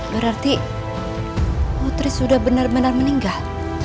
berarti putri sudah benar benar meninggal